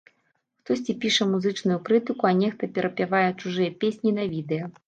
Хтосьці піша музычную крытыку, а нехта перапявае чужыя песні на відэа.